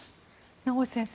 名越先生